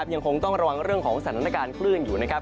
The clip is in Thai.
ยังคงต้องระวังเรื่องของสถานการณ์คลื่นอยู่นะครับ